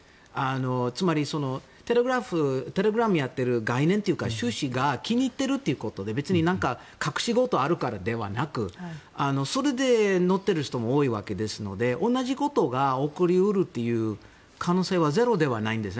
つまりテレグラムをやってる概念というか趣旨が気に入っているということで隠し事があるからではなくそれで乗っている人も多いわけですので同じことが起こり得る可能性はゼロではないんですね。